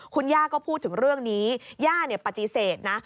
คุณย่าก็พูดถึงเรื่องนี้ย่าปฏิเสธนะ